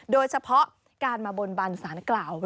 โดยเฉพาะการมาบนบันสารกล่าว